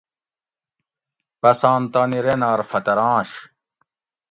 بسان تانی رینار فترانش